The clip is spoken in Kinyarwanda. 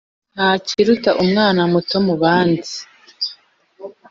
Ntakiruta umwana muto mubandi